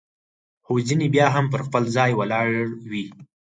خو ځیني بیا هم پر خپل ځای ولاړ وي.